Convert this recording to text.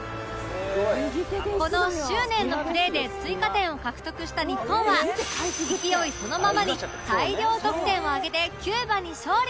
この執念のプレーで追加点を獲得した日本は勢いそのままに大量得点を挙げてキューバに勝利